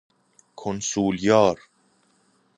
کنسولیار